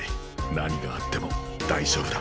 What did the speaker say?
何があっても大丈夫だ。